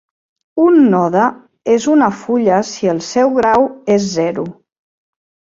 Un node és una fulla si el seu grau és zero.